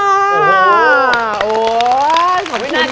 โอ้โหขอบคุณค่ะ